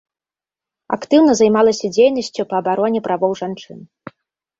Актыўна займалася дзейнасцю па абароне правоў жанчын.